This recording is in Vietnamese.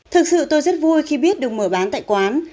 thực sự tôi rất vui khi biết được mở bán tại quán